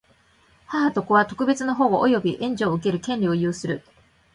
母と子とは、特別の保護及び援助を受ける権利を有する。